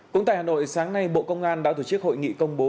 cũng tại hà nội sáng nay bộ công an đã tổ chức hội nghị công bố